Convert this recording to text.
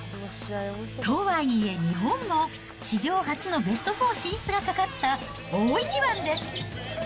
とはいえ、日本も史上初のベスト４進出がかかった大一番です。